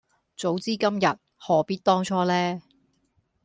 早知今日何必當初呢